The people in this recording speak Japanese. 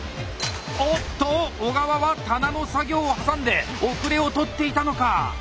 おっと小川は棚の作業を挟んで遅れを取っていたのか⁉